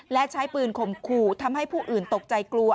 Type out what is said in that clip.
และใช้ปืนข่มขู่ทำให้ผู้อื่นตกใจกลัว